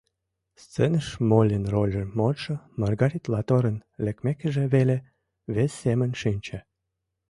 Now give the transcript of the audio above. Сценыш Моллин рольжым модшо Маргит Латорын лекмекыже веле вес семын шинче.